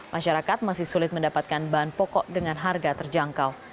masyarakat masih sulit mendapatkan bahan pokok dengan harga terjangkau